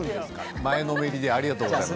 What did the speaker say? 前のめりでありがとうございます。